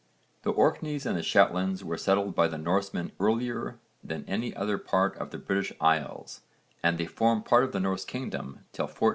The Orkneys and the Shetlands were settled by the Norsemen earlier than any other part of the British Isles and they formed part of the Norse kingdom till 1468.